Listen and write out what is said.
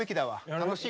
楽しい。